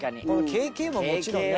ＫＫももちろんね。